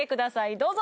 どうぞ！